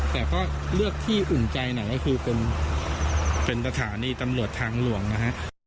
แต่ก็เลือกที่อุ่งใจไหนก็คือเป็นเป็นประถานีตำรวจทางหลวงนะฮะ